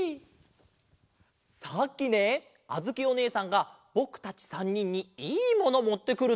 さっきねあづきおねえさんがぼくたち３にんに「いいもの」もってくる！